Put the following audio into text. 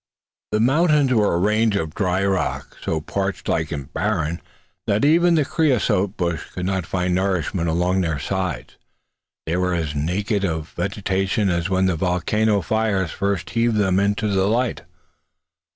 The mountains were a range of dry rocks, so parched like and barren that even the creosote bush could not find nourishment along their sides. They were as naked of vegetation as when the volcanic fires first heaved them into the light.